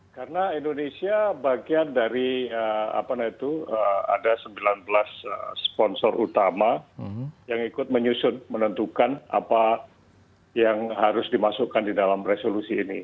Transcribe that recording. karena indonesia bagian dari ada sembilan belas sponsor utama yang ikut menyusun menentukan apa yang harus dimasukkan di dalam resolusi ini